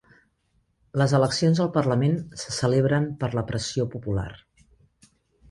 Les eleccions al parlament se celebren per la pressió popular